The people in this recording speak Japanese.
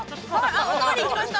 あ、おかわり行きました。